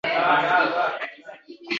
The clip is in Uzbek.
Nega bugun esa — sukunat?